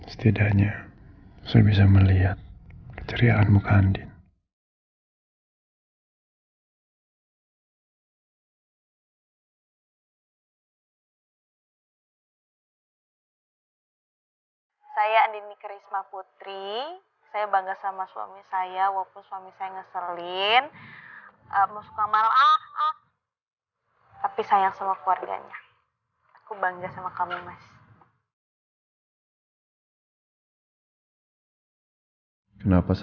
setidaknya saya bisa melihat keceliaan muka ndin